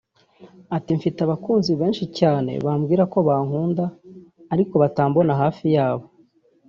Ati “Mfite abakunzi benshi cyane bambwira ko bankunda ariko batambona hafi yabo